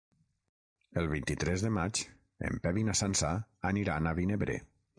El vint-i-tres de maig en Pep i na Sança aniran a Vinebre.